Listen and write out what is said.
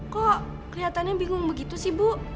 kok kelihatannya bingung begitu sih bu